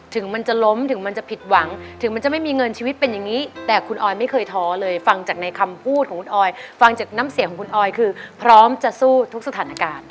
ถึงมันจะล้มถึงมันจะผิดหวังถึงมันจะไม่มีเงินชีวิตเป็นอย่างนี้แต่คุณออยไม่เคยท้อเลยฟังจากในคำพูดของคุณออยฟังจากน้ำเสียงของคุณออยคือพร้อมจะสู้ทุกสถานการณ์